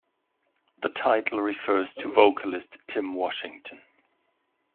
The title refers to vocalist Tim Washington.